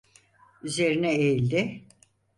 Üzerine eğildi.